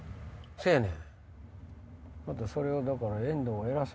せやねん。